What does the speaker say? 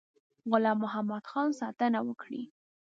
غلام محمدخان ساتنه وکړي.